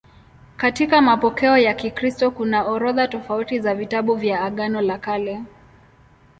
Katika mapokeo ya Kikristo kuna orodha tofauti za vitabu vya Agano la Kale.